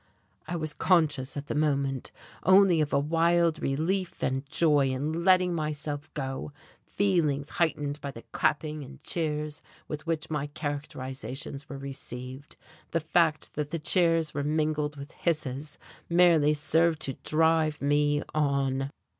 I was conscious at the moment only of a wild relief and joy in letting myself go, feelings heightened by the clapping and cheers with which my characterizations were received. The fact that the cheers were mingled with hisses merely served to drive me on.